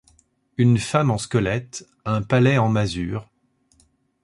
Une femme en squelette, un palais en masure ;